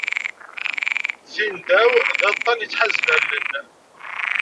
Tindaw, d aṭṭan i yettḥazen allen.